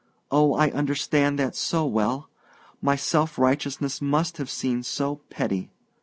Oh, I understand that so well! My self righteousness must have seemed so petty!